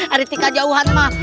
ada tiga jauhan pak